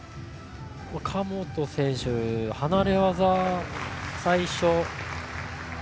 神本選手、離れ技最初。